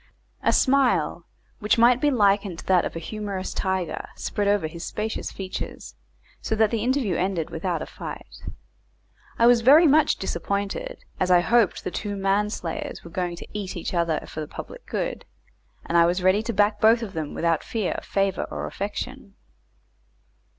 A smile, which might be likened to that of a humorous tiger, spread over his spacious features, and so the interview ended without a fight. I was very much disappointed, as I hoped the two man slayers were going to eat each other for the public good, and I was ready to back both of them without fear, favour, or affection.